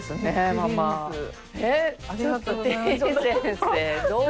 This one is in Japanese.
ありがとうございます。